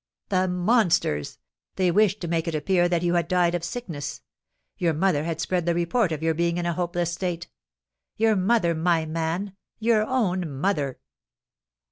"The monsters! They wished to make it appear that you had died of sickness. Your mother had spread the report of your being in a hopeless state. Your mother, my man, your own mother!"